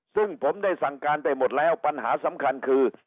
ซึ่งผมได้สั่งการไปหมดแล้วปัญหาสำคัญคือ